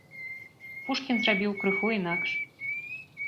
Пушкін зрабіў крыху інакш.